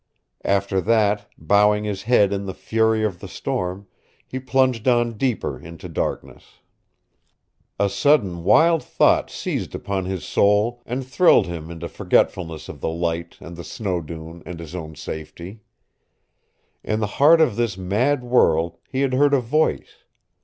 After that, bowing his head in the fury of the storm, he plunged on deeper into darkness. A sudden wild thought seized upon his soul and thrilled him into forgetfulness of the light and the snow dune and his own safety. In the heart of this mad world he had heard a voice.